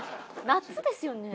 夏ですよね？